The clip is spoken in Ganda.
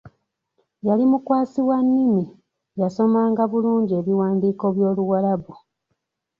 Yali mukwasi wa nnimi yasomanga bulungi ebiwandiiko by'Oluwarabu.